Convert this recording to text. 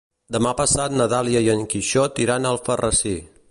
Demà passat na Dàlia i en Quixot iran a Alfarrasí.